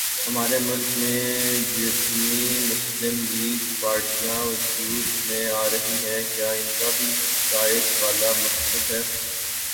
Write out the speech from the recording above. ہمارے ملک میں جتنی مسلم لیگ پارٹیاں وجود میں آرہی ہیں کیا انکا بھی قائد والا مقصد ہے